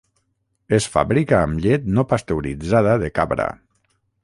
Es fabrica amb llet no pasteuritzada de cabra.